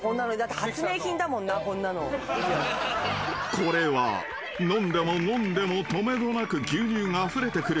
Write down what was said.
［これは飲んでも飲んでもとめどなく牛乳があふれてくる］